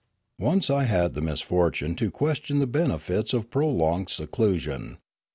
Once I had the misfortune to question the benefits* of prolonged seclusion.